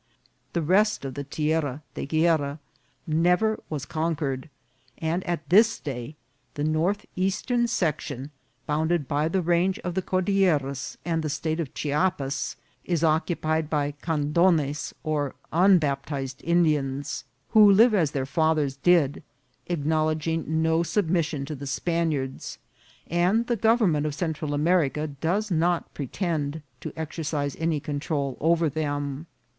The rest of the Tierra de Gueira never was conquered ; and at this day the northeastern section, bounded by the range of the Cor dilleras and the State of Chiapas, is occupied by Can dones or unbaptized Indians, who live as their fathers did, acknowledging no submission to the Spaniards, and the government of Central America does not pretend to exercise any control over them.